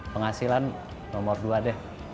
penghasilan nomor dua deh